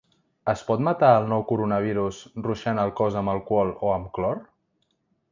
Es pot matar el nou coronavirus ruixant el cos amb alcohol o amb clor?